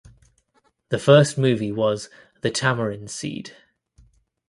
The first movie was "The Tamarind Seed".